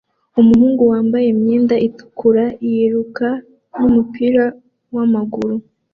Umuhungu wambaye imyenda itukura yiruka numupira wamaguru